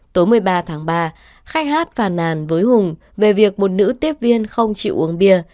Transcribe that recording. tối một mươi ba tháng ba khách hát phàn nàn với hùng về việc một nữ tiếp viên không chịu uống bia